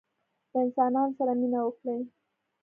له انسانانو سره مینه وکړئ